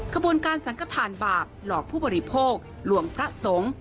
ขบวนการสังกฐานบาปหลอกผู้บริโภคลวงพระสงฆ์